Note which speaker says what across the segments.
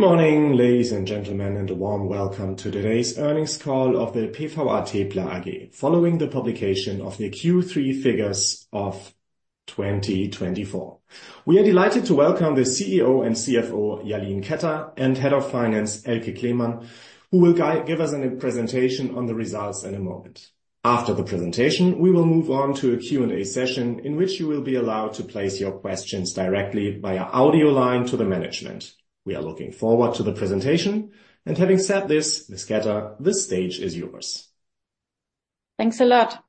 Speaker 1: Good morning ladies and gentlemen and a warm welcome to today's earnings call of the PVA TePla AG. Following the publication of the Q3 figures of 2024, we are delighted to welcome the CEO and CFO Jalin Ketter and Head of Finance Elke Kleemann who will give us a presentation on the results in a moment. After the presentation, we will move on to a Q&A session in which you will be allowed to place your questions directly via audio line to the management. We are looking forward to the presentation and having said this, Ms. Ketter, the stage is yours.
Speaker 2: Thanks a lot.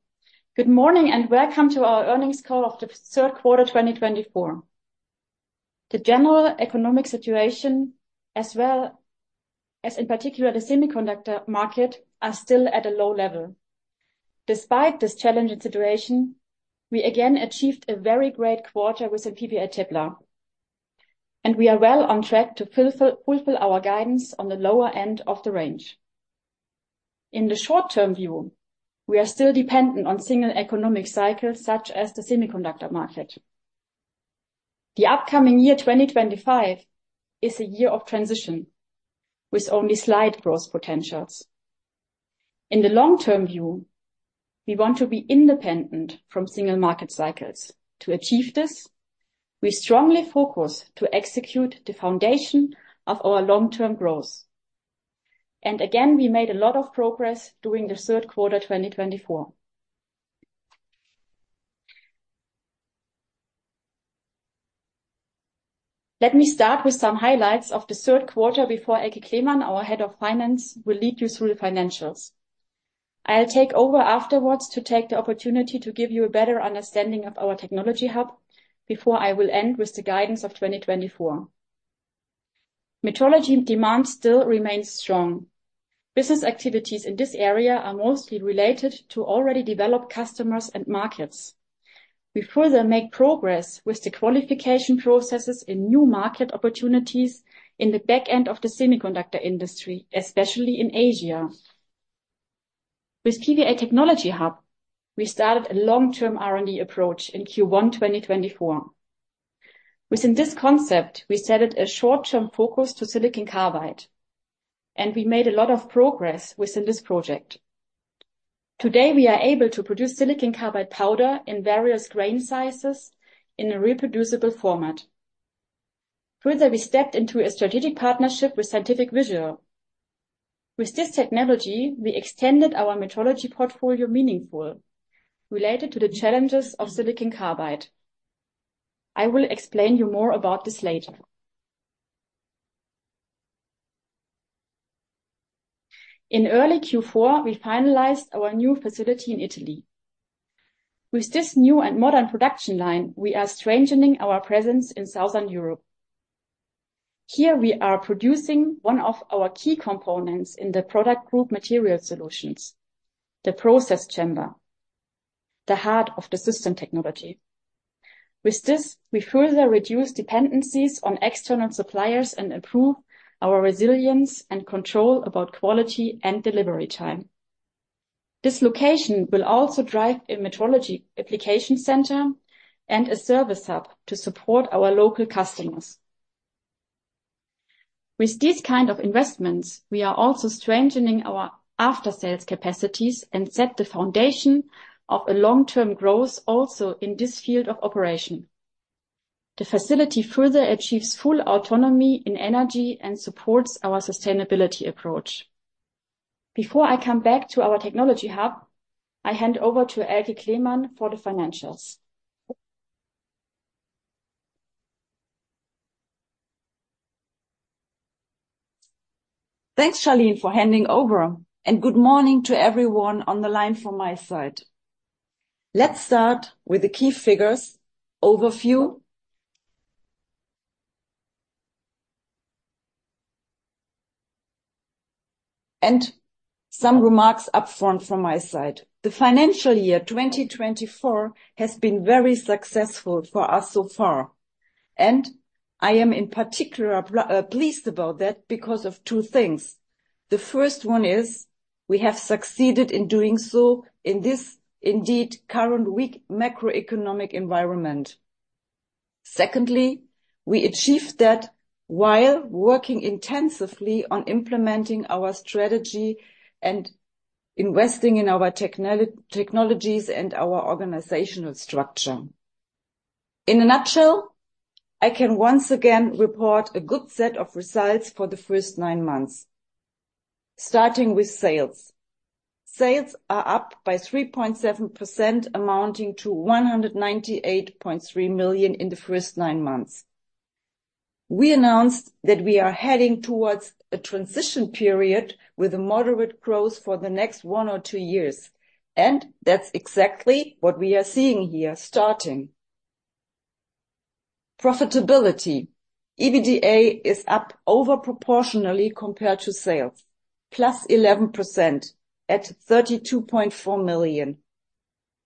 Speaker 2: Good morning and welcome to our earnings call of the third Quarter 2024. The general economic situation as well as in particular the semiconductor market are still at a low level. Despite this challenging situation, we again achieved a very great quarter within PVA TePla and we are well on track to fulfill our guidance on the lower end of the range. In the short term view, we are still dependent on single economic cycles such as the semiconductor market. The upcoming year 2025 is a year of transition with only slight growth potentials. In the long-term view, we want to be independent from single market cycles. To achieve this, we strongly focus to execute the foundation of our long-term growth and again we made a lot of progress during the third quarter 2024. Let me start with some highlights of the third quarter before Elke Kleemann, our Head of Finance, will lead you through the financials. I'll take over afterwards to take the opportunity to give you a better understanding of our technology hub and before I will end with the guidance of 2024. Metrology demand still remains strong. Business activities in this area are mostly related to already developed customers and markets. We further make progress with the qualification processes in new market opportunities in the back end of the semiconductor industry, especially in Asia with PVA Technology Hub. We started a long-term R&D approach in Q1 2024. Within this concept we set a short-term focus to silicon carbide and we made a lot of progress within this project. Today we are able to produce silicon carbide powder in various grain sizes in a reproducible format. Further, we stepped into a strategic partnership with Scientific Visual. With this technology we extended our metrology portfolio meaningful related to the challenges of silicon carbide. I will explain you more about this later. In early Q4 we finalized our new facility in Italy. With this new and modern production line, we are strengthening our presence in Southern Europe. Here we are producing one of our key components in the product group Material Solutions, the Process Chamber, the heart of the system technology. With this we further reduce dependencies on external suppliers and improve our resilience and control about quality and delivery time. This location will also drive a metrology application center and a service hub to support our local customers. With these kind of investments, we are also strengthening our after-sales capacities and set the foundation of a long-term growth. Also in this field of operation. The facility further achieves full autonomy in energy and supports our sustainability approach. Before I come back to our technology hub, I hand over to Elke Kleemann for the financials.
Speaker 3: Thanks, Jalin, for handing over and good morning to everyone on the line from my side. Let's start with the key figures overview. Some remarks up front from my side. The financial year 2024 has been very successful for us so far and I am in particular pleased about that because of two things. The first one is we have succeeded in doing so in this indeed current weak macroeconomic environment. Secondly, we achieved that while working intensively on implementing our strategy and investing in our technologies and our organizational structure. In a nutshell, I can once again report a good set of results for the first nine months. Starting with sales. Sales are up by 3.7% amounting to 198.3 million in the first nine months. We announced that we are heading towards a transition period with a moderate growth for the next one or two years and that's exactly what we are seeing here. Starting profitability. EBITDA is up over proportionally compared to sales plus 11% at 32.4 million.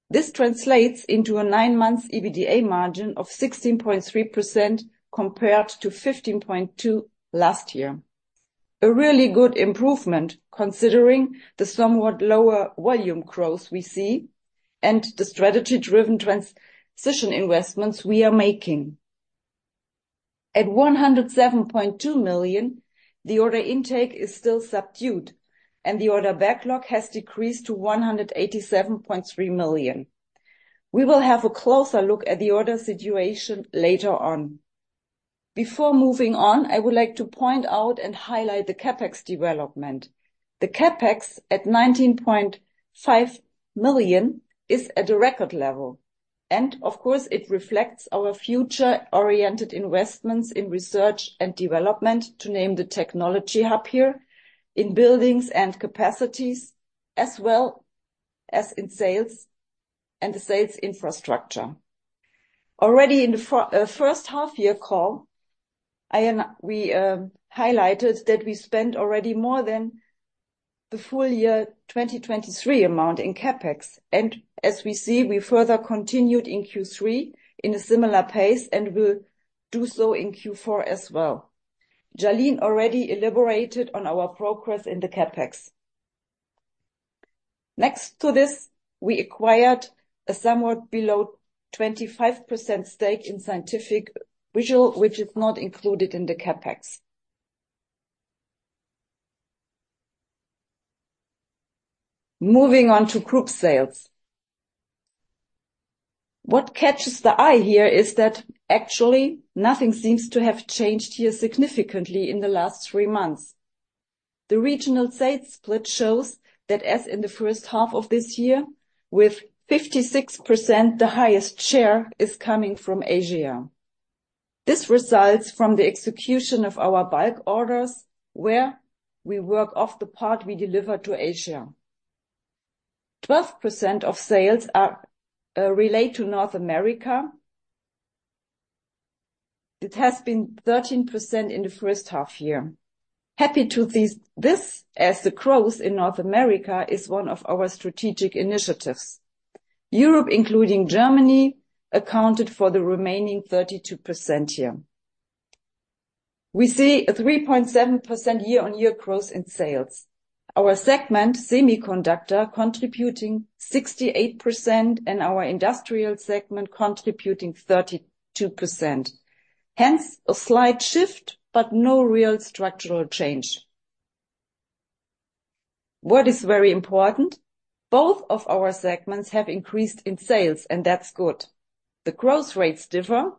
Speaker 3: This translates into a nine-month EBITDA margin of 16.3% compared to 15.2% last year. A really good improvement considering the somewhat lower volume growth we see and the strategy-driven transition investments we are making at 107.2 million. The order intake is still subdued and the order backlog has decreased to 187.3 million. We will have a closer look at the order situation later on. Before moving on I would like to point out and highlight the CapEx development. The CapEx at 19.5 million is at a record level and of course it reflects our future oriented investments in research and development to name the technology hub here in buildings and capacities as well as in sales and the sales infrastructure. Already in the first half year call we highlighted that we spent already more than the full year 2023 amount in CapEx and as we see we further continued in Q3 in a similar pace and will do so in Q4 as well. Jalin already elaborated on our progress in the CapEx, next to this, we acquired a somewhat below 25% stake in Scientific Visual, which is not included in the CapEx. Moving on to Group sales, what catches the eye here is that actually nothing seems to have changed here significantly in the last three months. The regional sales split shows that as in the first half of this year with 56%, the highest share is coming from Asia. This results from the execution of our bulk orders where we work off the part we deliver to Asia. 12% of sales relate to North America. It has been 13% in the first half year. Happy to see this as the growth in North America is one of our strategic initiatives. Europe, including Germany, accounted for the remaining 32%. Here we see a 3.7% year-on-year growth in sales, our semiconductor segment contributing 68% and our industrial segment contributing 32%. Hence a slight shift but no real structural change. What is very important, both of our segments have increased in sales and that's good. The growth rates differ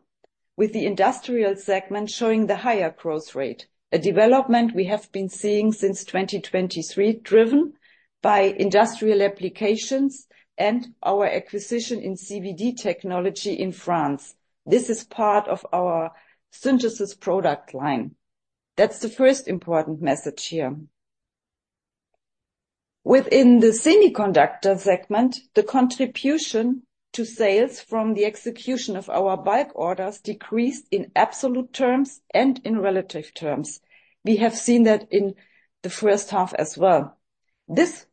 Speaker 3: with the industrial segment showing the higher growth rate. A development we have been seeing since 2023, driven by industrial applications and our acquisition in CVD technology in France. This is part of our Synthesis product line. That's the first important message here. Within the semiconductor segment, the contribution to sales from the execution of our bulk orders decreased in absolute terms, and in relative terms we have seen that in the first half as well. This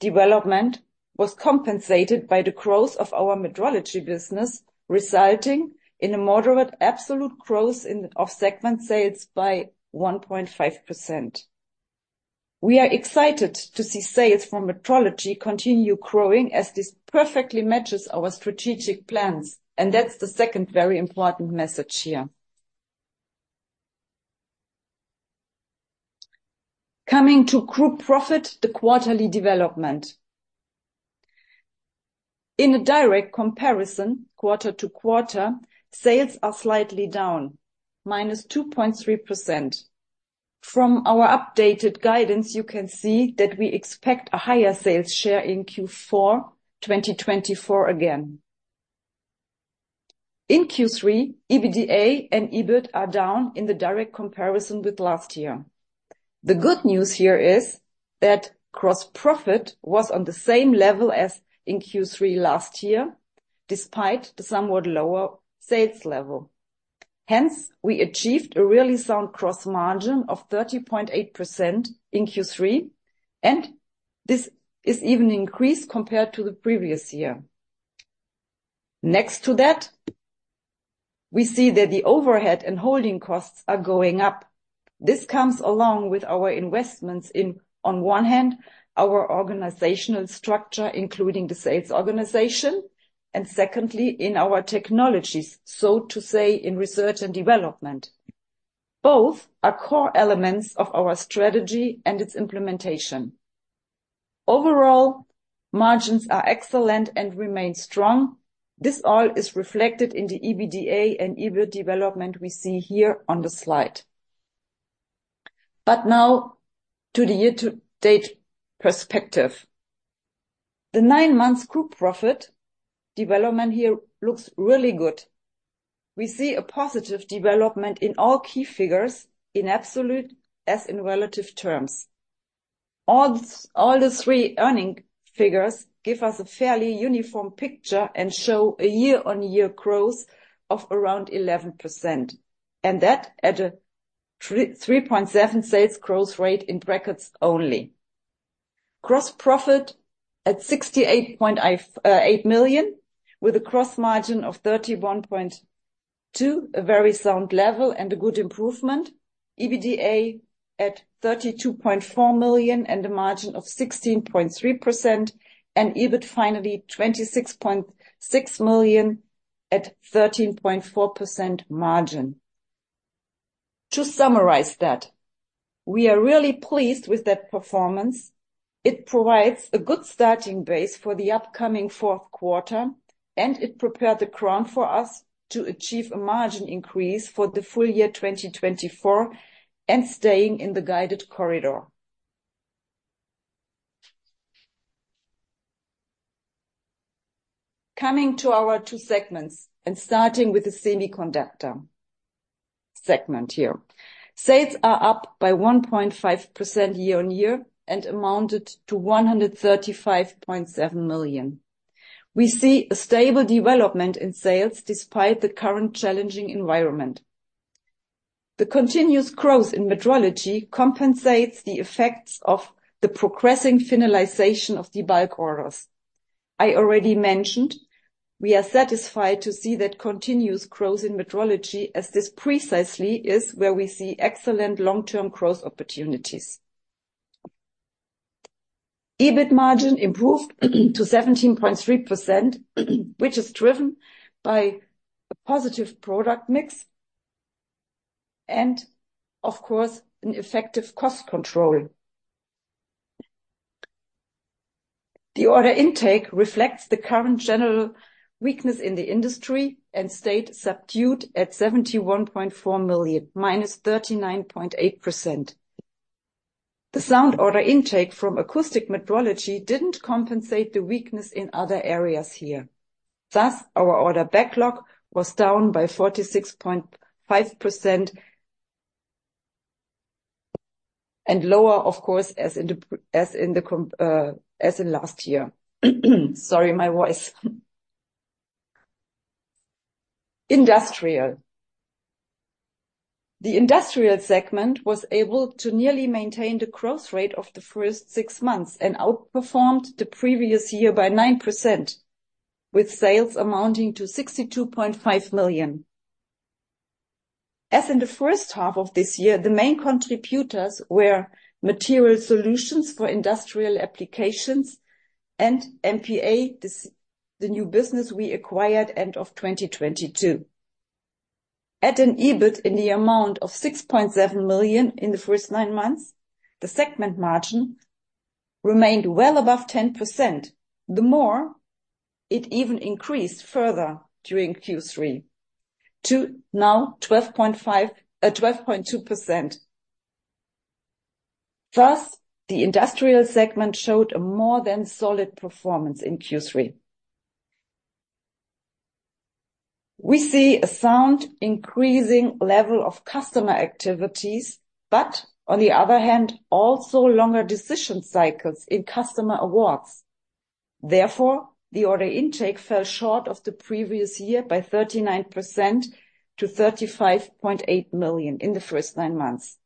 Speaker 3: development was compensated by the growth of our Metrology business, resulting in a moderate absolute growth of segment sales by 1.5%. We are excited to see sales from Metrology continue growing as this perfectly matches our strategic plans. And that's the second very important message here. Coming to Group Profit, the quarterly development in a direct comparison quarter to quarter, sales are slightly down minus 2.3%. From our updated guidance you can see that we expect a higher sales share in Q4 2024 again in Q3. EBITDA and EBIT are down in the direct comparison with last year. The good news here is that gross profit was on the same level as in Q3 last year despite the somewhat lower sales level. Hence, we achieved a really sound gross margin of 30.8% in Q3 and this is even increased compared to the previous year. Next to that we see that the overhead and holding costs are going up. This comes along with our investments in, on one hand, our organizational structure, including the sales organization, and secondly in our technologies, so to say in research and development. Both are core elements of our strategy and its implementation. Overall margins are excellent and remain strong. This all is reflected in the EBITDA and EBITDA development we see here on the slide. But now to the year to date perspective, the nine months group profit development here looks really good. We see a positive development in all key figures in absolute as in relative terms. All the three earnings figures give us a fairly uniform picture and show a year-on-year growth of around 11% and that at a 3.7% sales growth rate in brackets only gross profit at 68.8 million with a gross margin of 31.2% to a very sound level and a good improvement. EBITDA at 32.4 million and a margin of 16.3% and EBIT finally 26.6 million at 13.4% margin. To summarize that we are really pleased with that performance. It provides a good starting base for the upcoming fourth quarter and it prepared the ground for us to achieve a margin increase for the full year 2024 and staying in the guided corridor. Coming to our two segments and starting with the semiconductor segment. Here sales are up by 1.5% year-on-year and amounted to 135.7 million. We see a stable development in sales despite the current challenging environment. The continuous growth in metrology compensates the effects of the progressing finalization of the bulk orders. I already mentioned. We are satisfied to see that continuous growth in metrology as this precisely is where we see excellent long-term growth opportunities. EBIT margin improved to 17.3% which is driven by a positive product mix and of course an effective cost control. The order intake reflects the current general weakness in the industry and stayed subdued at 71.4 million -39.8%. The strong order intake from acoustic metrology didn't compensate the weakness in other areas here. Thus our order backlog was down by 46.5% and lower, of course, as in last year. The industrial segment was able to nearly maintain the growth rate of the first six months and outperformed the previous year by 9% with sales amounting to 62.5 million in the first half of this year. The main contributors were material solutions for industrial applications and MPA. The new business we acquired end of 2022 at an EBIT in the amount of 6.7 million. In the first nine months the segment margin remained well above 10%; the more it even increased further during Q3 to now 12.5 12.2%. Thus the industrial segment showed a more than solid performance. In Q3 we see a sound increasing level of customer activities, but on the other hand also longer decision cycles in customer awards. Therefore, the order intake fell short of the previous year by 39% to 35.8 million in the first nine months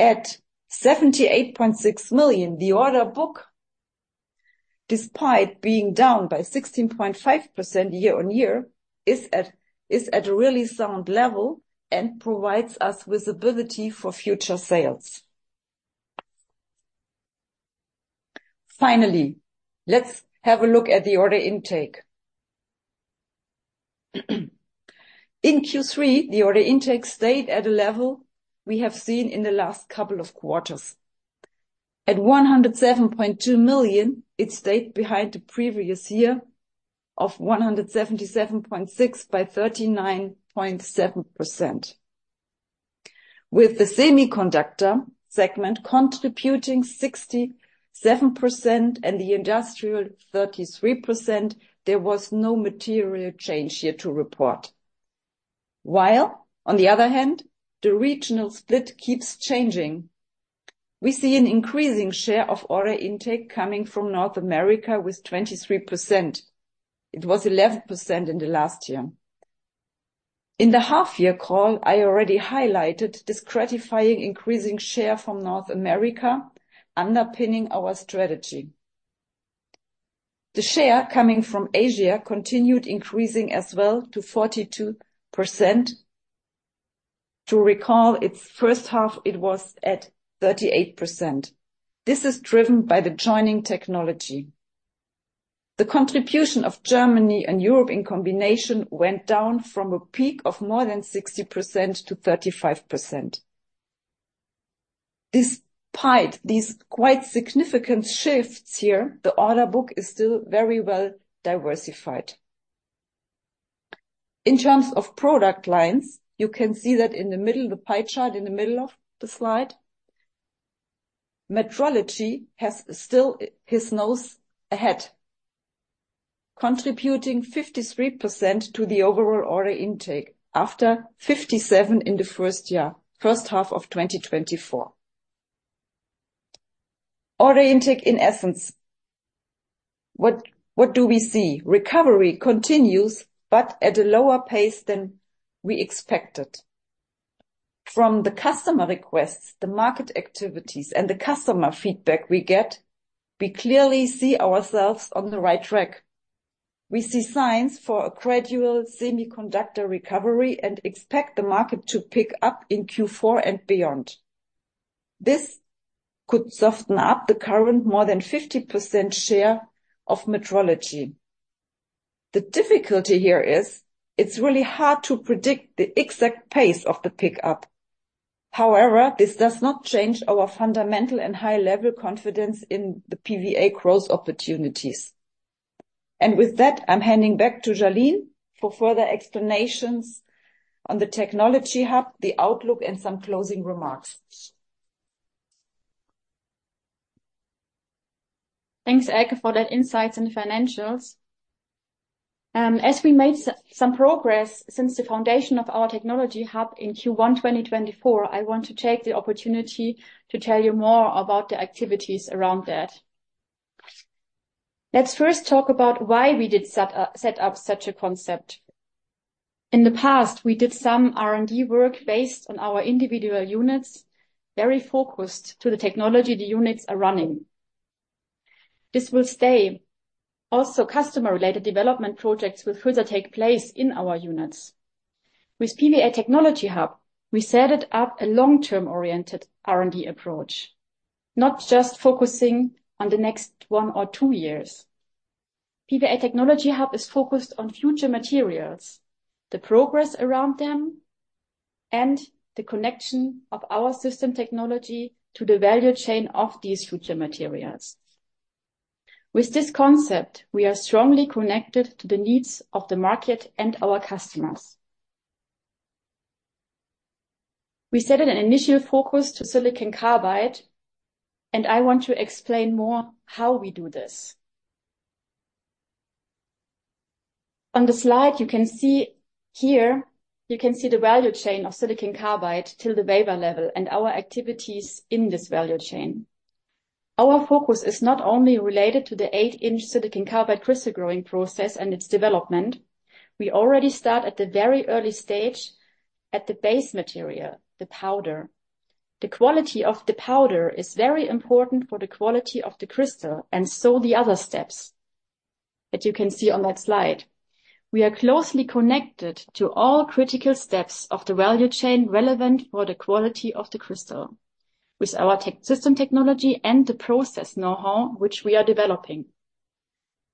Speaker 3: at 78.6 million. The order book order, despite being down by 16.5% year-on-year, is at a really sound level and provides us visibility for future sales. Finally, let's have a look at the order intake. In Q3. The order intake stayed at a level we have seen in the last couple of quarters. At 107.2 million. It stayed behind the previous year of 177.6 million by 39.7% with the semiconductor segment contributing 67% and the industrial 33%. There was no material change here to report. While on the other hand the regional split keeps changing. We see an increasing share of order intake coming from North America with 23%. It was 11% in the last year. In the half year call I already highlighted this gratifying increasing share from North America underpinning our strategy. The share coming from Asia continued increasing as well to 42%. To recall its first half it was at 38%. This is driven by the joining technology. The contribution of Germany and Europe in combination went down from a peak of more than 60% to 35%. Despite these quite significant shifts here, the order book is still very well diversified in terms of product lines. You can see that in the middle the pie chart in the middle of the slide. Metrology has still its nose ahead, contributing 53% to the overall order intake after 57 in the first year. First half of 2024 order intake in essence, what do we see? Recovery continues, but at a lower pace than we expected. From the customer requests, the market activities and the customer feedback we get, we clearly see ourselves on the right track. We see signs for a gradual semiconductor recovery and expect the market to pick up in Q4 and beyond. This could soften up the current more than 50% share of metrology. The difficulty here is it's really hard to predict the exact pace of the pickup. However, this does not change our fundamental and high level confidence in the PVA growth opportunities. And with that I'm handing back to Jalin for further explanations on the Technology hub, the outlook and some closing remarks.
Speaker 2: Thanks, Elke, for those insights and financials. As we made some progress since the foundation of our technology hub in Q1 2024, I want to take the opportunity to tell you more about the activities around that. Let's first talk about why we did set up such a concept. In the past we did some R&D work based on our individual units very focused to the technology the units are running. This will stay also customer related development projects will further take place in our units. With PVA Technology Hub, we set up a long-term oriented R&D approach, not just focusing on the next one or two years. PVA Technology Hub is focused on future materials, the progress around them and the connection of our system technology to the value chain of these future materials. With this concept, we are strongly connected to the needs of the market and our customers. We set an initial focus to silicon carbide and I want to explain more how we do this. On the slide you can see here the value chain of silicon carbide till the wafer level and our activities in this value chain. Our focus is not only related to the 8-inch silicon carbide crystal growing process and its development. We already start at the very early stage at the base material, the powder. The quality of the powder is very important for the quality of the crystal. And so the other steps that you can see on that slide, we are closely connected to all critical steps of the value chain relevant for the quality of the crystal with our system technology and the process know how which we are developing.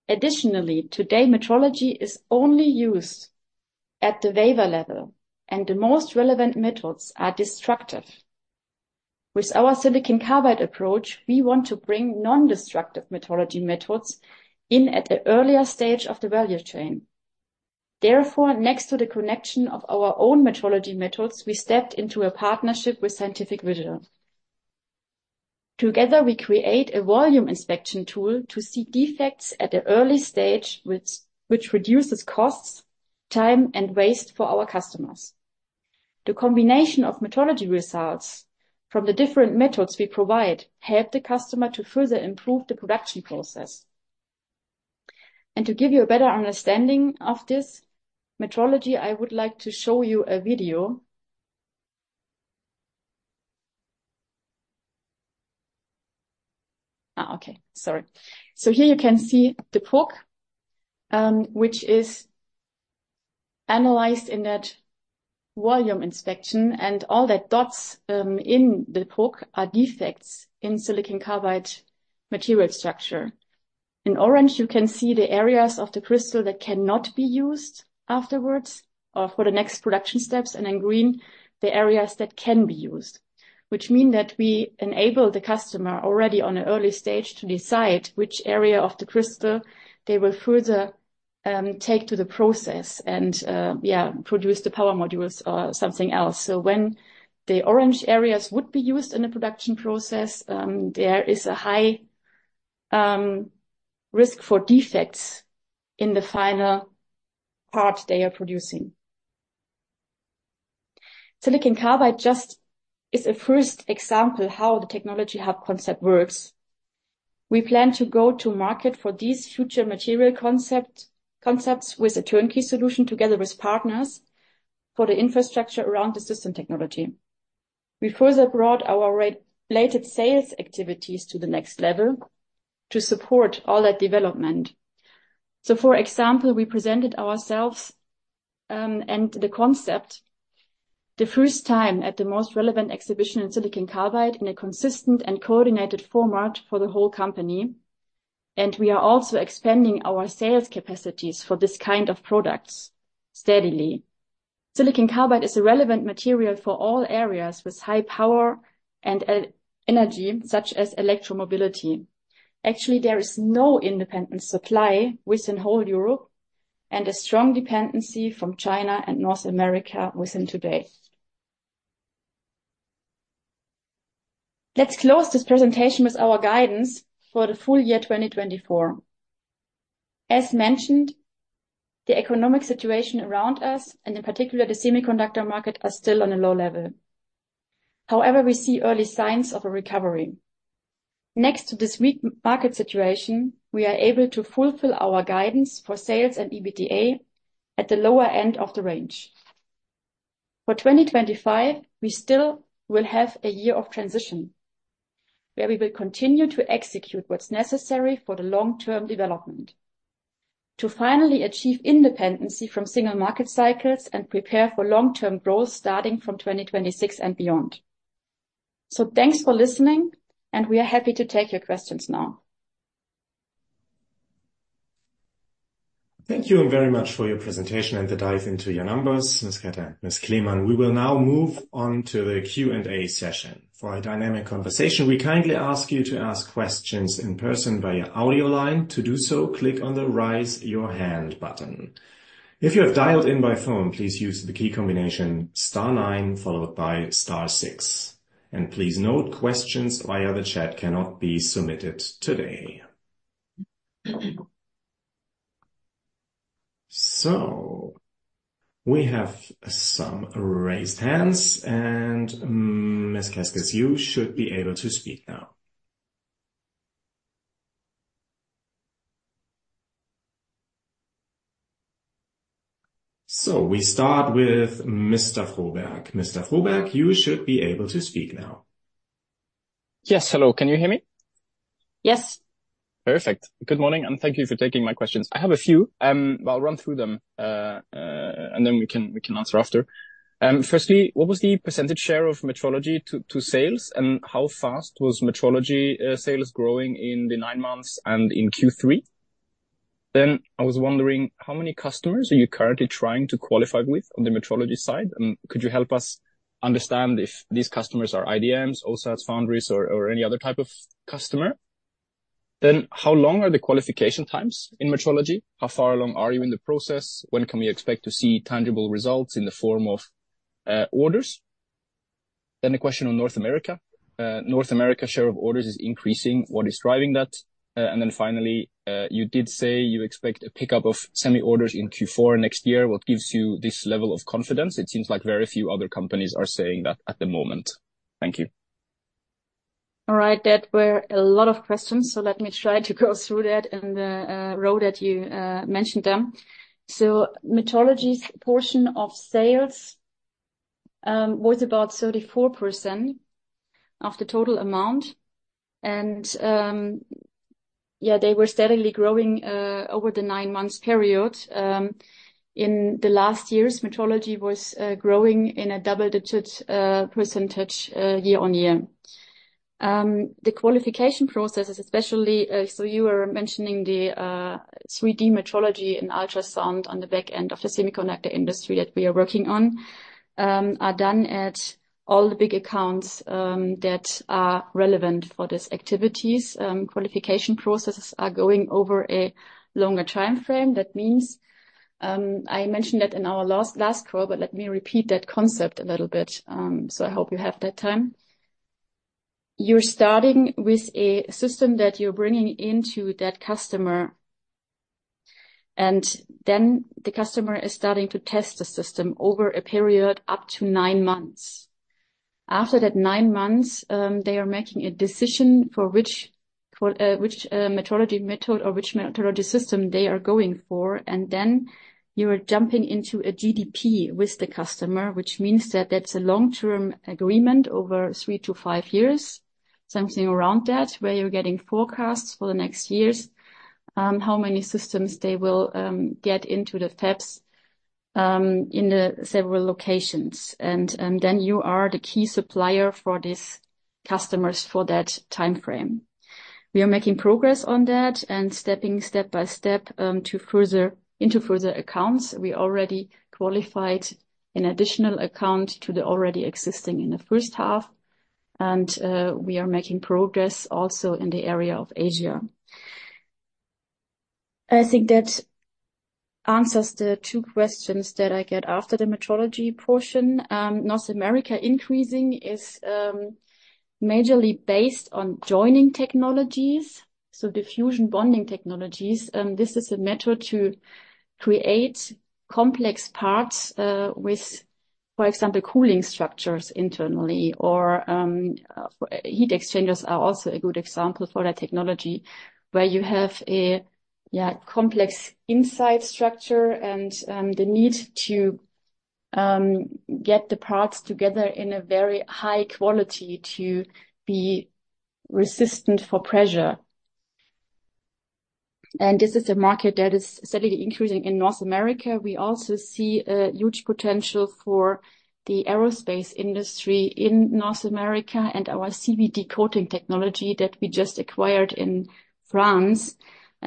Speaker 2: Additionally, today metrology is only used at the wafer level and the most relevant methods are destructive. With our silicon carbide approach, we want to bring non destructive metrology methods in at the earlier stage of the value chain. Therefore, next to the connection of our own metrology methods, we stepped into a partnership with Scientific Visual. Together we create a volume inspection tool to see defects at the early stage with which reduces costs, time and waste for our customers. The combination of metrology results from the different methods we provide help the customer to further improve the production process. To give you a better understanding of this metrology, I would like to show you a video. Okay, sorry. So here you can see the PROC which is analyzed in that volume inspection and all the dots in the PROC are defects in silicon carbide material structure. In orange you can see the areas of the crystal that cannot be used afterwards or for the next production steps. In green the areas that can be used which mean that we enable the customer already on an early stage to decide which area of the crystal they will further take to the process and yeah, produce the power modules or something else. So when the orange areas would be used in the production process, there is a high risk for defects in the final part. They are producing Silicon Carbide just is a first example how the technology Hub concept works. We plan to go to market for these future material concepts with a turnkey solution together with partners for the infrastructure around the system technology. We further brought our related sales activities to the next level to support all that development. So for example, we presented ourselves and the concept the first time at the most relevant exhibition in Silicon Carbide in a consistent and coordinated format for the whole company. And we are also expanding our sales capacities for this kind of products steadily. Silicon Carbide is a relevant material for all areas with high power and energy such as electromobility. Actually, there is no independent supply within whole Europe and a strong dependency from China and North America within today. Let's close this presentation with our guidance for the full year 2024. As mentioned, the economic situation around us and in particular the semiconductor market are still on a low level. However, we see early signs of a recovery next to this weak market situation. We are able to fulfill our guidance for sales and EBITDA at the lower end of the range for 2025. We still will have a year of transition where we will continue to execute what's necessary for the long term development to finally achieve independency from single market cycles and prepare for long-term growth starting from 2026 and beyond. So, thanks for listening and we are happy to take your questions now.
Speaker 1: Thank you very much for your presentation and the dive into your numbers. Ms. Ketter and Ms. Kleemann. We will now move on to the Q and A session for a dynamic conversation. We kindly ask you to ask questions in person via audio line. To do so, click on the Raise your hand button. If you have dialed in by phone, please use the key combination nine followed by six, and please note, questions via the chat cannot be submitted today, so we have some raised hands and Ms. Kaas, you should be able to speak now, so we start with Mr. Froberg. Mr. Froberg, you should be able to speak now.
Speaker 4: Yes, hello, can you hear me?
Speaker 2: Yes, perfect.
Speaker 4: Good morning and thank you for taking my questions. I have a few. I'll run through them and then we can answer after. Firstly, what was the percentage share of Metrology to sales and how fast was Metrology sales growing in the nine months and in Q3? Then I was wondering how many customers are you currently trying to qualify with on the Metrology side? And could you help us understand if these customers are IDMs, OSATs, foundries or any other type of customer? Then how long are the qualification times in Metrology? How far along are you in the process? When can we expect to see tangible results in the form of orders? Then a question on North America. North America share of orders is increasing. What is driving that? And then finally you did say you expect a pickup of semi orders in Q4 next year. What gives you this level of confidence? It seems like very few other companies are saying that at the moment. Thank you.
Speaker 2: All right. That was a lot of questions. So let me try to go through that and note that you mentioned them. So Metrology's portion of sales was about 34% of the total amount. And yeah, they were steadily growing over the nine months period. In the last years Metrology was growing in a double digit percentage year on year. So the qualification processes especially. So you were mentioning the 3D metrology and ultrasound on the back end of the semiconductor industry that we are working on are done at all the big accounts that are relevant for these activities. Qualification processes are going over a longer time frame. That means I mentioned that in our last call, but let me repeat that concept a little bit. So I hope you have that time. You're starting with a system that you're bringing into that customer and then the customer is starting to test the system over a period up to nine months. After that nine months they are making a decision for which Metrology method or which Metrology system they are going for, and then you are jumping into a GDP with the customer, which means that that's a long term agreement over three to five years. Something around that where you're getting forecasts for the next years, how many systems they will get into the fabs in the several locations and then you are the key supplier for these customers for that time frame. We are making progress on that and step by step into further accounts. We already qualified an additional account to the already existing in the first half and we are making progress also in the area of Asia. I think that answers the two questions that I get after the Metrology portion. North America increasing is majorly based on joining technologies, so diffusion bonding technologies. This is a method to create complex parts with, for example, cooling structures internally or heat exchangers, which are also a good example for that technology where you have a complex inside structure and the need to get the parts together in a very high quality to be resistant for pressure, and this is a market that is steadily increasing in North America. We also see a huge potential for the aerospace industry in North America and our CVD coating technology that we just acquired in France.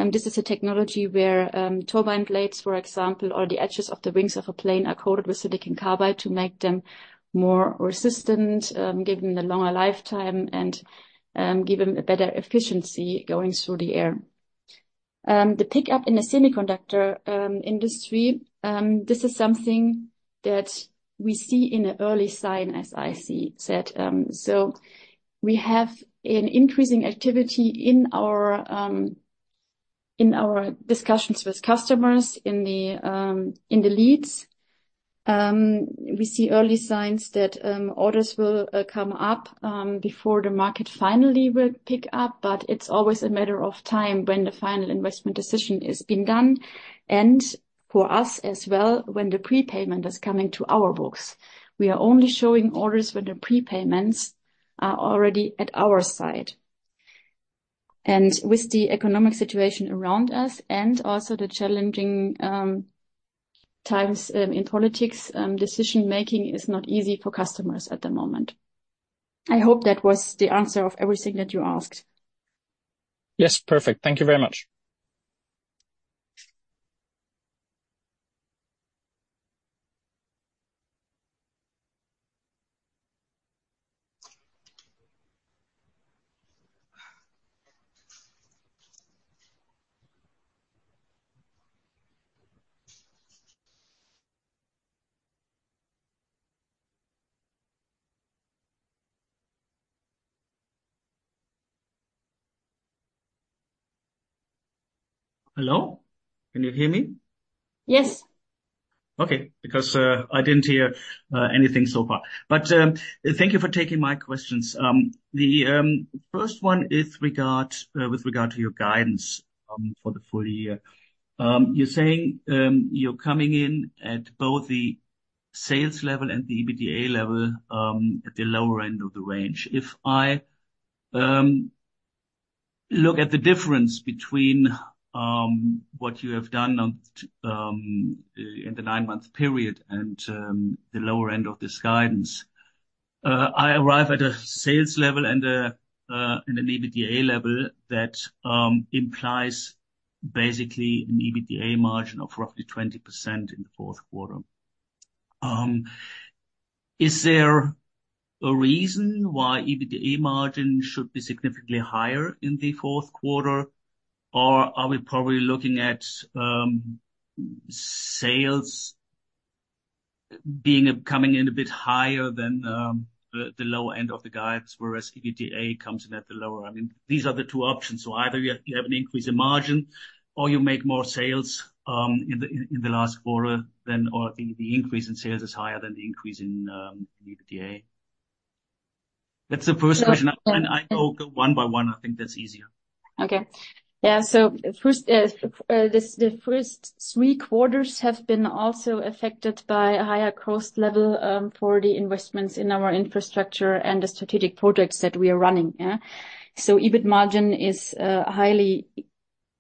Speaker 2: This is a technology where turbine blades, for example, or the edges of the wings of a plane are coated with silicon carbide to make them more resistant, given the longer lifetime and given a better efficiency going through the air, the pickup. In the semiconductor industry, this is something that we see in an early sign, as I said. So we have an increasing activity in our discussions with customers in the leads. We see early signs that orders will come up before the market finally will pick up. But it's always a matter of time when the final investment decision has been done. And for us as well, when the prepayment is coming to our books. We are only showing orders when the prepayments are already at our side. With the economic situation around us and also the challenging times in politics, decision making is not easy for customers at the moment. I hope that was the answer of everything that you asked.
Speaker 4: Yes, perfect. Thank you very much.
Speaker 5: Hello, can you hear me?
Speaker 2: Yes.
Speaker 5: Okay, because I didn't hear anything so far, but thank you for taking my questions. With regard to your guidance for the full year, you're saying you're coming in at both the sales level and the EBITDA level at the lower end of the range. If I look at the difference between what you have done in the nine month period and the lower end of this guidance, I arrive at a sales level and an EBITDA level that implies basically an EBITDA margin of roughly 20% in the forecast fourth quarter. Is there a reason why EBITDA margin should be significantly higher in the fourth quarter? Or are we probably looking at sales coming in a bit higher than the low end of the guidance, whereas EBITDA comes in at the lower. I mean these are the two options. So either you have an increase in margin or you make more sales in the last quarter than. Or the increase in sales is higher than the increase in EBITDA. That's the first question. I go one by one, I think that's easier.
Speaker 2: Okay. Yeah, so the first three quarters have been also affected by a higher cost level for the investments in our infrastructure and the strategic projects that we are running, so EBIT margin is highly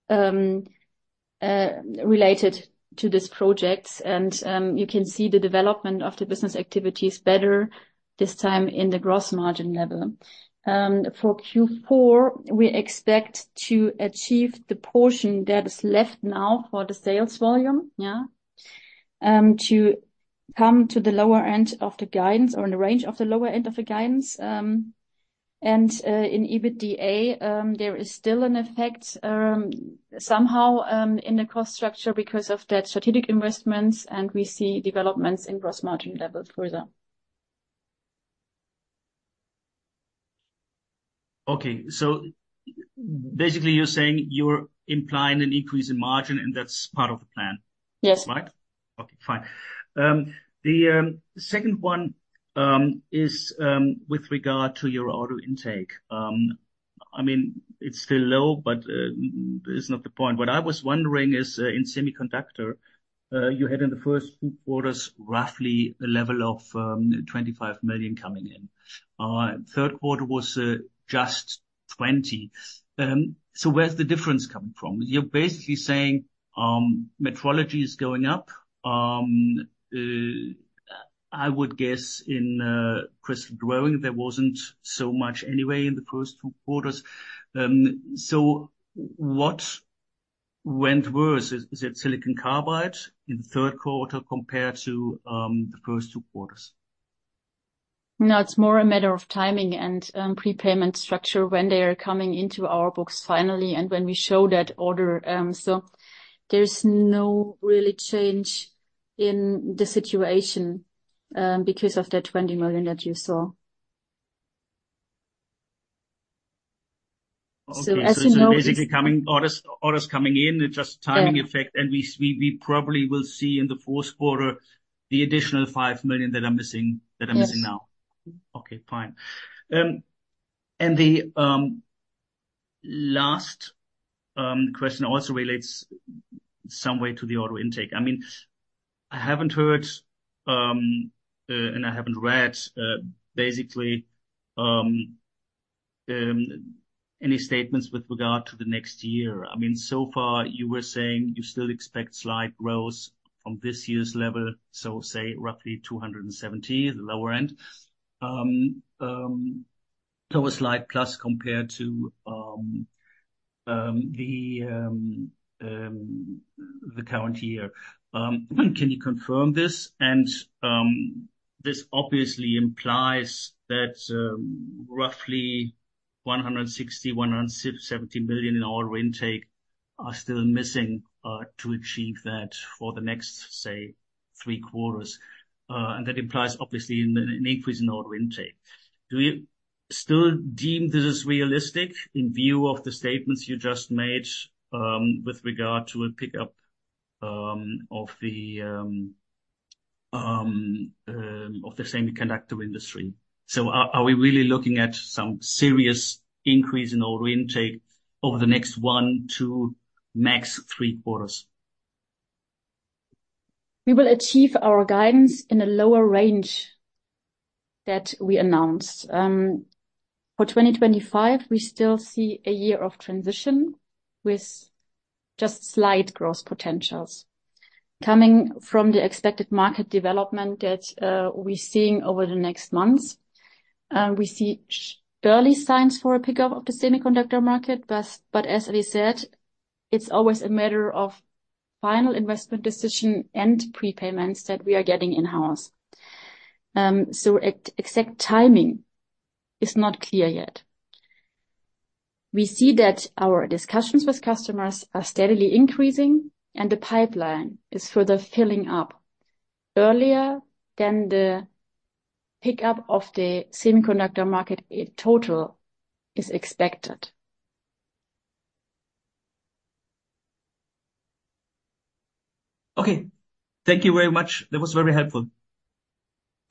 Speaker 2: related to this project, and you can see the development of the business activities better this time in the gross margin level for Q4. We expect to achieve the portion that is left now for the sales volume to come to the lower end of the guidance or in the range of the lower end of the guidance, and in EBITDA there is still an effect somehow in the cost structure because of that strategic investments, and we see developments in gross margin level further.
Speaker 5: Okay. So basically you're saying you're implying an increase in margin and that's part of the plan.
Speaker 2: Yes.
Speaker 5: Right. Okay, fine. The second one is with regard to your order intake. I mean it's still low, but it's not the point. What I was wondering is in semiconductor you had in the first two quarters roughly a level of 25 million coming in. Third quarter was just 20 million. So where's the difference coming from? You're basically saying metrology is going up. I would guess in crystal growing there wasn't so much anyway in the first two quarters. So what went worse? Is it silicon carbide in the third quarter compared to the first two quarters?
Speaker 2: Now it's more a matter of timing and prepayment structure when they are coming into our books finally and when we show that order. So there's no real change in the situation because of that 20 million that you saw.
Speaker 5: Basically coming. Orders, orders coming in. It's just timing effect. And we probably will see in the fourth quarter the additional five million EUR that are missing now. Okay, fine. And the last question also relates some way to the auto intake. I mean, I haven't heard and I haven't read basically any statements with regard to the next year. I mean, so far you were saying you still expect slight growth from this year's level, so say roughly 270 million EUR the lower end. So a slight plus compared to the current year. Can you confirm this? And this obviously implies that roughly 160-170 million in order intake are still missing to achieve that for the next say 3/4. And that implies obviously an increase in order intake. Do you still deem this is realistic in view of the statements you just made with regard to a pickup of the semiconductor industry? So are we really looking at some serious increase in order intake over the next one, two, max, three quarters? We will achieve our guidance in a lower range that we announced for 2025. We still see a year of transition with just slight growth potentials coming from the expected market development that we're seeing over the next months. We see early signs for a pickup of the semiconductor market. But as we said, it's always a matter of final investment decision and prepayments that we are getting in house. So exact timing is not clear yet. We see that our discussions with customers are steadily increasing and the pipeline is further filling up earlier than the pickup of the semiconductor market in total is expected. Okay, thank you very much, that was very helpful.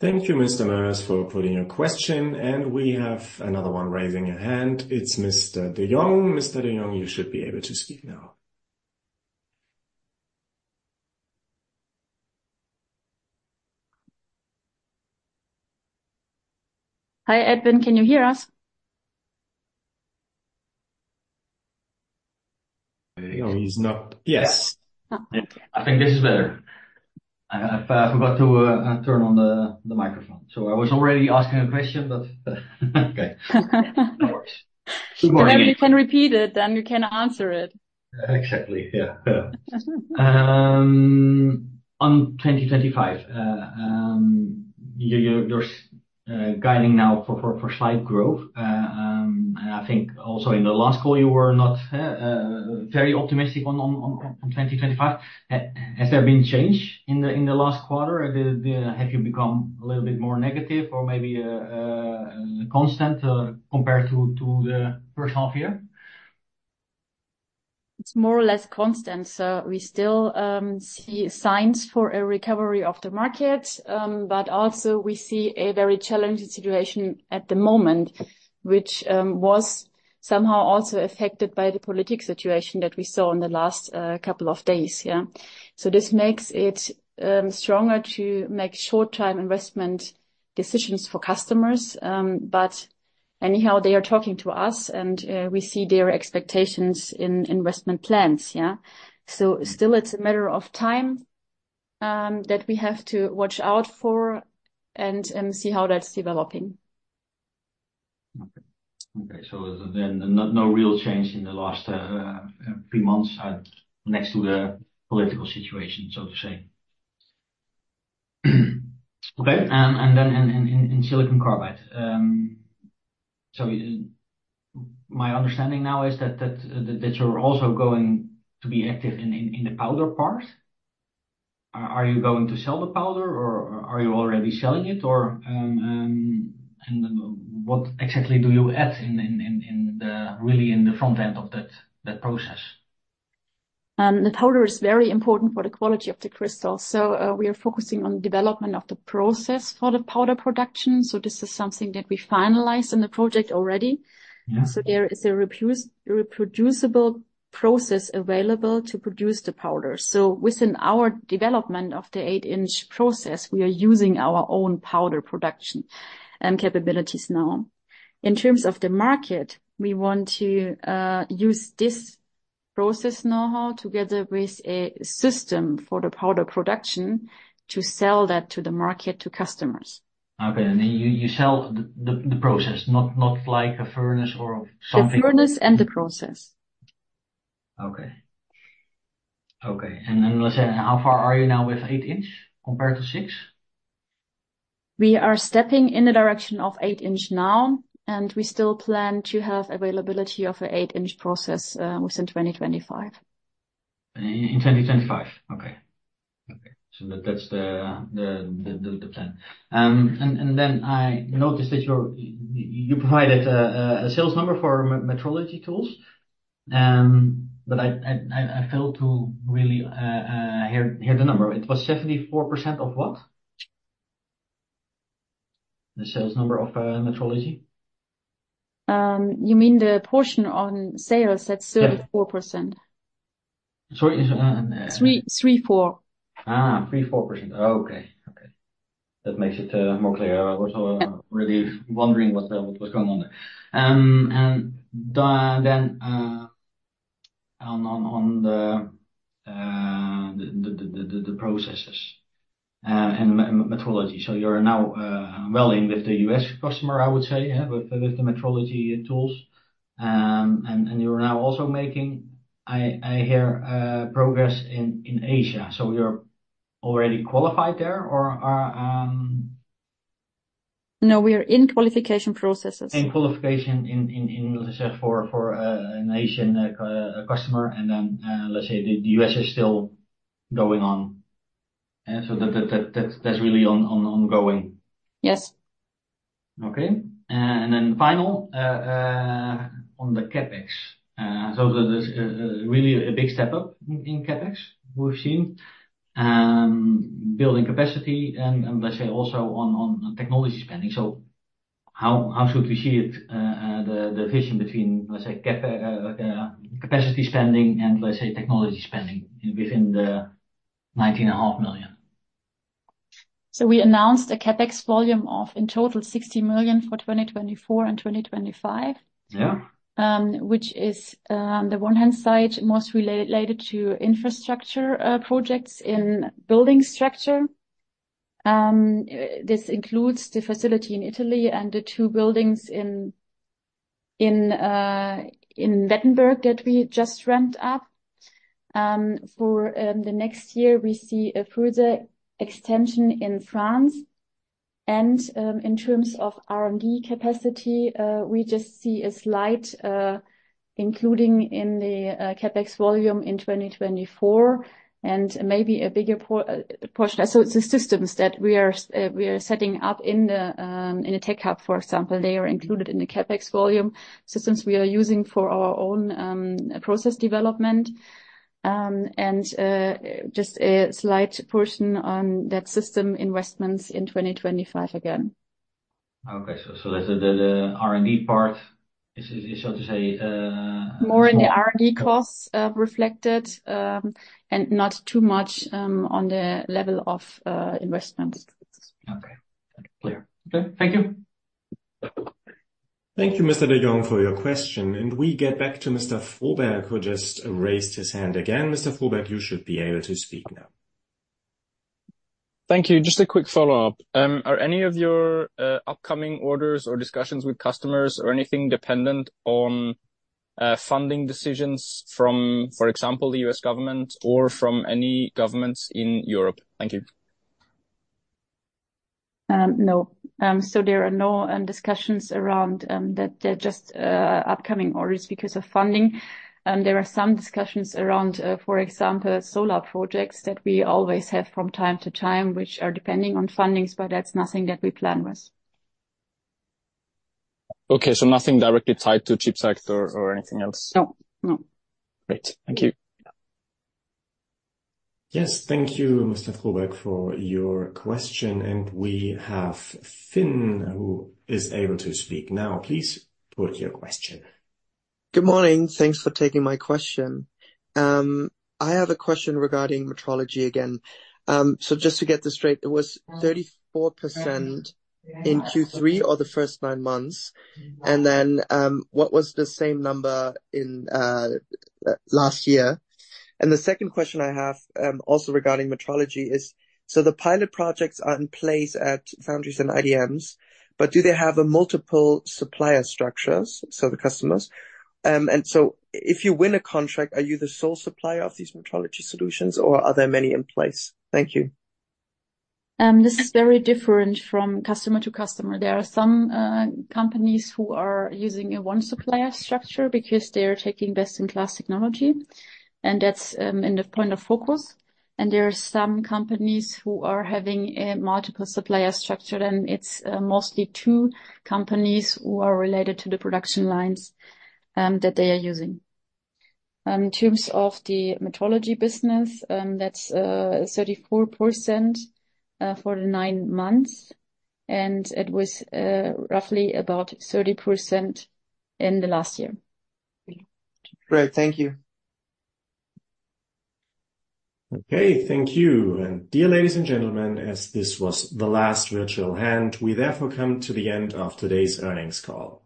Speaker 1: Thank you, Mr. Merz, for putting a question. And we have another one raising a hand. It's Mr. De Jong. Mr. De Jong, you should be able to speak now.
Speaker 2: Hi, Edwin, can you hear us?
Speaker 5: Oh, he's not. Yes, I think this is better. I forgot to turn on the microphone, so I was already asking a question, but. Okay.
Speaker 2: You can repeat it, then you can answer it.
Speaker 5: Exactly. Yeah. In 2025, you're guiding now for slight growth. I think also in the last call you were not very optimistic. In 2025, has there been change in the last quarter? Have you become a little bit more negative or maybe constant compared to the first half year?
Speaker 2: More or less constant. So we still see signs for a recovery of the market, but also we see a very challenging situation at the moment, which was somehow also affected by the political situation that we saw in the last couple of days. So this makes it harder to make short term investment decisions for customers. But anyhow, they are talking to us and we see their expectations in investment plans. So still it's a matter of time that we have to watch out for and see how that's developing.
Speaker 5: Okay, so then no real change in the last three months next to the political situation, so to say. Okay. And then in Silicon Carbide, so my understanding now is that you're also going to be active in the powder part. Are you going to sell the powder or are you already selling it or? And what exactly do you add really in the front end of that process?
Speaker 2: The powder is very important for the quality of the crystal. We are focusing on development of the process for the powder production. This is something that we finalized in the project already. There is a reproducible process available to produce the powder. Within our development of the 8-inch process, we are using our own powder production capabilities. Now in terms of the market, we want to use this process, know-how, together with a system for the powder production to sell that to the market, to customers.
Speaker 5: Okay. And then you sell the process. Not like a furnace or something.
Speaker 2: The furnace and the process.
Speaker 5: Okay. Okay. Then let's say, how far are you now with 8-inch compared to 6-inch?
Speaker 2: We are stepping in the direction of 8-inch now and we still plan to have availability of an 8-inch process within 2025.
Speaker 5: In 2025. Okay. Okay. So that's the plan. And then I noticed that you provided a sales number for Metrology Tools, but I failed to really hear the number. It was 74%. Of what? The sales number of Metrology.
Speaker 2: You mean the portion on sales that's 34%?
Speaker 5: 3.4%. Okay, okay, that makes it more clear. I was already wondering what was going on there. And then on the processes and metrology. So you're now selling with the U.S. customer, I would say with the metrology tools. And you're now also making progress, I hear, in Asia. So you're already qualified there or.
Speaker 2: No, we are in qualification processes.
Speaker 5: In qualification. In, in. For an Asian customer and then let's say the US is still going on and so that's really an ongoing.
Speaker 2: Yes.
Speaker 5: Okay. And then final on the CapEx. So there's really a big step up in CapEx. We've seen building capacity and let's say also on technology spending. So how should we see it? The division between let's say capacity spending and let's say technology spending within the 19.5 million.
Speaker 2: We announced a CapEx volume of in total 60 million for 2024 and 2025.
Speaker 5: Yeah.
Speaker 2: Which is on the one hand side most related to infrastructure projects in building structure. This includes the facility in Italy and the two buildings in. In that we just ramped up for the next year. We see a further extension in France. And in terms of R&D capacity, we just see a slight increase in the CapEx volume in 2024 and maybe a bigger portion. So it's the systems that we are setting up in a tech hub, for example, they are included in the CapEx for volume systems we are using for our own process development and just a slight portion on that system investments in 2025. Again.
Speaker 5: Okay, so that's the R&D part is so to say more in.
Speaker 2: The R&D costs reflected and not too much on the level of investment.
Speaker 5: Okay. Okay, thank you.
Speaker 1: Thank you, Mr. De Jong, for your question. We get back to Mr. Froberg who just raised his hand again. Mr. Froberg, you should be able to speak now.
Speaker 4: Thank you. Just a quick follow up. Are any of your upcoming orders or discussions with customers or anything dependent on funding decisions from for example the U.S. government or from any governments in Europe?
Speaker 2: Thank you. No, so there are no discussions around that. They're just upcoming orders because of funding. There are some discussions around, for example solar projects that we always have from time to time, which are depending on fundings, but that's nothing that we plan with.
Speaker 4: Okay, so nothing directly tied to CHIPS Act or anything else?
Speaker 2: No, no.
Speaker 4: Great, thank you.
Speaker 1: Yes, thank you Mr. Froberg for your question. And we have Finn who is able to speak now. Please put your question.
Speaker 6: Good morning. Thanks for taking my question. I have a question regarding metrology again. So just to get this straight, it was 34% in Q3 or the first nine months, and then what was the same number in last year? And the second question I have also regarding metrology is, so the pilot projects are in place at foundries and IDMs, but do they have a multiple supplier structures so the customers and so if you win a contract, are you the sole supplier of these metrology solutions or are there many in place? Thank you.
Speaker 2: This is very different from customer to customer. There are some companies who are using a one supplier structure because they are taking best in class technology and that's in the point of focus, and there are some companies who are having multiple supplier structure, then it's mostly two companies who are related to the production lines that they are using. In terms of the metrology business, that's 34% for the nine months and it was roughly about 30% in the last year.
Speaker 5: Great. Thank you.
Speaker 1: Okay, thank you. Dear ladies and gentlemen, as this was the last virtual hand, we therefore come to the end of today's earnings call.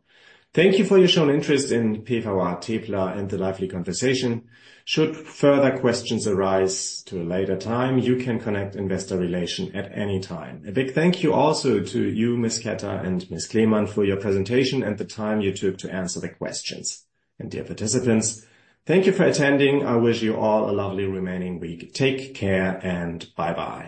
Speaker 1: Thank you for your shown interest in PVA TePla and the lively conversation. Should further questions arise at a later time, you can contact Investor Relations at any time. A big thank you also to you, Ms. Ketter and Ms. Kleemann, for your presentation and the time you took to answer the questions. Dear participants, thank you for attending. I wish you all a lovely remaining week. Take care and bye bye.